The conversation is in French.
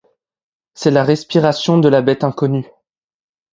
C'est la respiration de la bête inconnue.